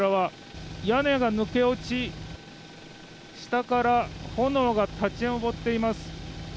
屋根が抜け落ち下から炎が立ち上っています。